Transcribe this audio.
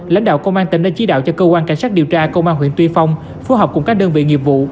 lãnh đạo công an tỉnh đã chỉ đạo cho cơ quan cảnh sát điều tra công an huyện tuy phong phối hợp cùng các đơn vị nghiệp vụ